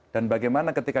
dan bagaimana ketika